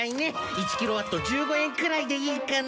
１キロワット１５円くらいでいいかな？